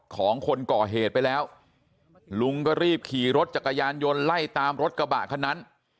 ของคนก่อเหตุไปแล้วลุงก็รีบขี่รถจักรยานยนต์ไล่ตามรถกระบะคันนั้น